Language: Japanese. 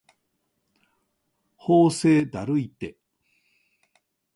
法政だるいて